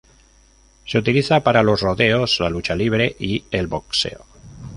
Se utiliza para los rodeos, la lucha libre y el boxeo.